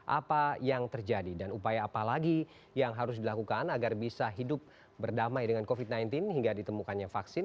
apa yang terjadi dan upaya apa lagi yang harus dilakukan agar bisa hidup berdamai dengan covid sembilan belas hingga ditemukannya vaksin